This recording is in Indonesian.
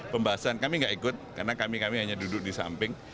pembahasan kami nggak ikut karena kami kami hanya duduk di samping